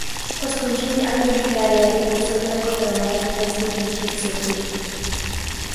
Po skončení aktivní kariéry působil jako trenér v německých nižších soutěžích.